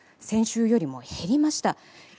先週よりも減りました。